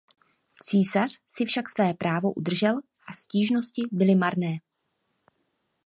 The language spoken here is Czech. Císař si však své právo udržel a stížnosti byly marné.